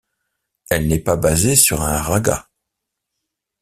Elle n'est pas basée sur un râga.